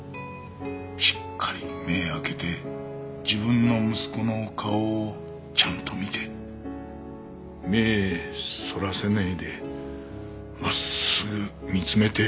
しっかり目ぇ開けて自分の息子の顔をちゃんと見て目ぇそらさないで真っすぐ見つめて。